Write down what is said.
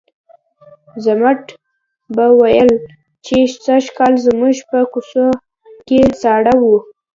ضمټ به ویل چې سږکال زموږ په کوڅه کې ساړه وو.